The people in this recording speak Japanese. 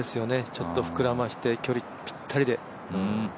ちょっと膨らまして距離ぴったりで。